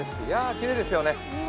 きれいですよね。